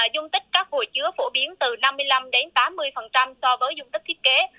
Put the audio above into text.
dung tích các hồ chứa phổ biến từ năm mươi năm tám mươi so với dung tích thiết kế